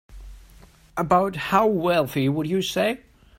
About how wealthy would you say?